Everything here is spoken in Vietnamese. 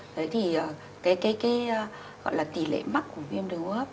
thế thì cái tỉ lệ mắc của viêm đứng hô hấp